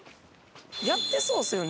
やってそうですよね。